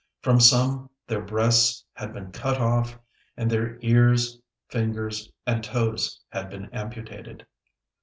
From some their breasts had been cut off and their ears, fingers, and toes had been amputated.